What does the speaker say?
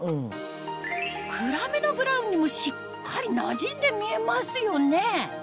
暗めのブラウンにもしっかりなじんで見えますよね